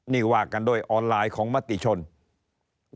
นี่ว่ากันด้วยออนไลน์ของมติชน